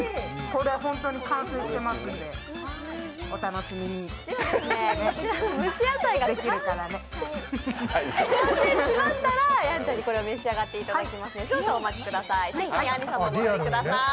こちらの蒸し野菜が完成しましたらやんちゃんにこれを召し上がっていただきますので少々お待ちください。